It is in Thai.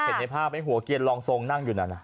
เห็นในภาพไหมหัวเกียรรองทรงนั่งอยู่นั่น